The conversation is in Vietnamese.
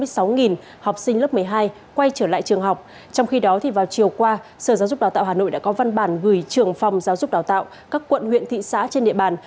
sở giáo dục đào tạo hà nội đã có văn bản gửi trường phòng giáo dục đào tạo các quận huyện thị xã trên địa bàn